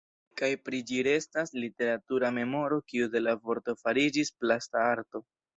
Kaj pri ĝi restas literatura memoro kiu de la vorto fariĝis plasta arto.